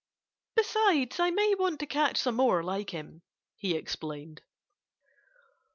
"Besides, I may want to catch some more like him," he explained.